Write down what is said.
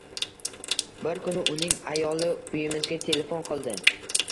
Bir kuni uning ayoli uyimizga telefon qildi.